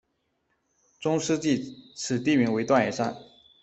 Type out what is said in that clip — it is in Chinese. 中世纪此地名为锻冶山。